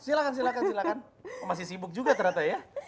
silahkan silahkan masih sibuk juga ternyata ya